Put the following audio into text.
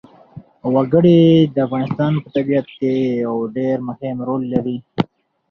وګړي د افغانستان په طبیعت کې یو ډېر مهم رول لري.